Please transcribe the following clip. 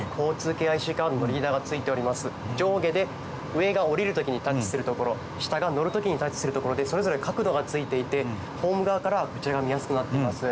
上下で上が降りる時にタッチするところ下が乗る時にタッチするところでそれぞれ角度が付いていてホーム側からこちらが見やすくなっています。